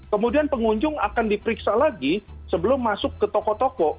kemudian pengunjung akan diperiksa lagi sebelum masuk ke toko toko